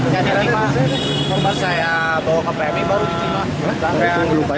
saya bawa ke pertama saya bawa ke peninggung panjang di peninggung saya